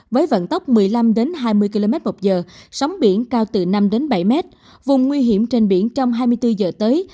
với vận tốc một mươi năm hai mươi km một giờ sóng biển cao từ năm đến bảy mét vùng nguy hiểm trên biển trong hai mươi bốn giờ tới